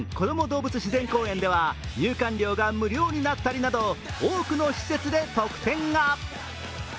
動物自然公園では入館料が無料になったりなど多くの施設で特典が。